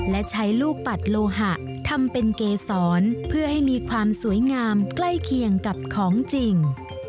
และใช้ลูกปัดโลหะทำเป็นเกษรเพื่อให้มีความสวยงามใกล้เคียงกับของจริง